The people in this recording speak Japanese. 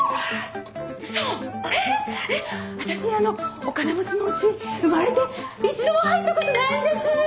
私あのお金持ちのお家生まれて一度も入ったことないんです！